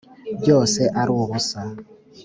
byose ari ubusa